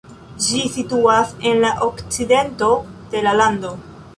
Ĝi situas en la okcidento de la lando.